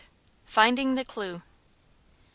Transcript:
Finding The Clew.